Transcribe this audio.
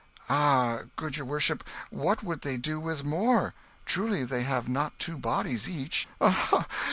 "Ah, good your worship, what would they do with more? Truly they have not two bodies each."